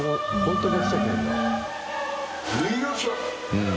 うん。